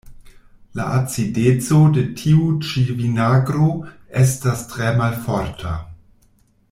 La acideco de tiu ĉi vinagro estas tre malforta.